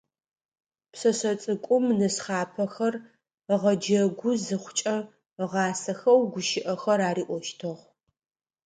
Пшъэшъэ цӏыкӏум нысхъапэхэр ыгъэджэгу зыхъукӏэ, ыгъасэхэу гущыӏэхэр ариӏощтыгъ.